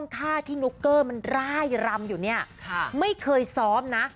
ค่าที่นุ๊กเกอร์มันร่ายรำอยู่เนี่ยไม่เคยซ้อมนะ